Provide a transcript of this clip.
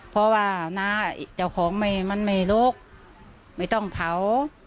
เพราะว่าน้าเจ้าของไม่มันไม่ลุกไม่ต้องเผา